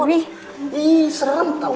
ih serem tau